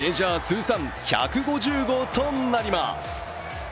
この一撃がメジャー通算１５０号となります。